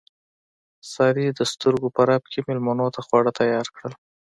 سارې د سترګو په رپ کې مېلمنو ته خواړه تیار کړل.